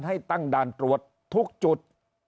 ให้ตั้งด่านตรวจทุกจุด